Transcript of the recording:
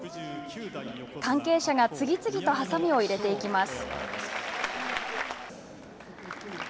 関係者が次々とはさみを入れていきます。